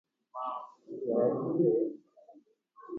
¡Ipyʼa renyhẽngue!